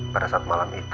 pada saat malam itu